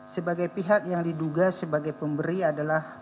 sebagai pihak yang diduga sebagai pemberi adalah